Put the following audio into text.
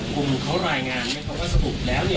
กลุ่มเขารายงานว่าสมุดแล้วเนี่ย